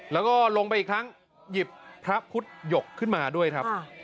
แล้วก็ลงไปอีกครั้งหยิบพระพุทธหยกขึ้นมาด้วยครับ